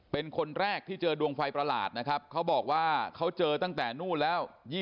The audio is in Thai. เป็นคนแรกที่เจอดวงไฟประหลาดนะครับเขาบอกว่าเขาเจอตั้งแต่นู่นแล้ว